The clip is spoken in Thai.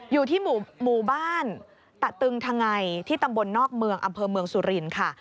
อยู่ที่หมู่บ้านตะตึงทะไงที่ตำบลนอกเมืองอำเภอเมืองสุรินทร์ค่ะ